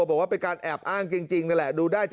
บอกว่าเป็นการแอบอ้างจริงนั่นแหละดูได้